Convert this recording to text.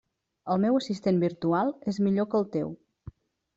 El meu assistent virtual és millor que el teu.